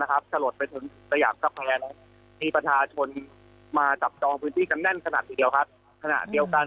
สะหรดไปถึงสยามสะแพงมีประชาชนมาจับจองพื้นที่กันแน่นขนาดเดียวกัน